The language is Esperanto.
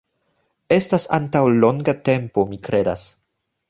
Estas antaŭ longa tempo, mi kredas